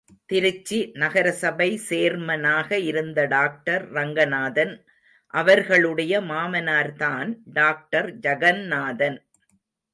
திருச்சி நகரசபை சேர்மனாக இருந்த டாக்டர் ரங்கநாதன் அவர்களுடைய மாமனார்தான் டாக்டர் ஜகந்நாதன்.